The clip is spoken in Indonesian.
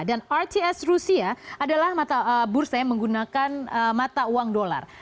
dan rts rusia adalah bursa yang menggunakan mata uang dolar